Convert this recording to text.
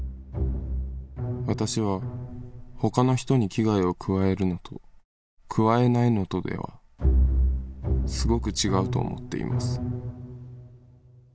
「私は他の人に危害を加えるのと加えないのとではすごく違うと思っています」